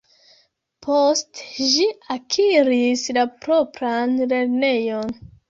Post ĝi akiris la propran lernejon.